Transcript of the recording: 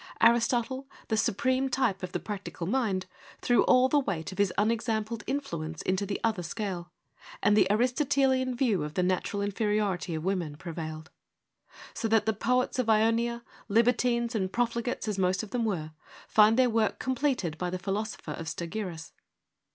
Aristotle— the supreme type of the practical mind — threw all the weight of his unexampled influence into the other scale, and the Aristotelian view of the natural inferiority of women prevailed : so that the poets of Ionia, libertines and profligates as most of them were, find their work completed by the philosopher of Stagirus.